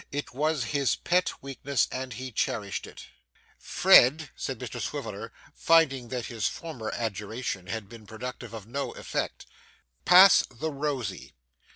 It was his pet weakness, and he cherished it. 'Fred!' said Mr Swiveller, finding that his former adjuration had been productive of no effect. 'Pass the rosy.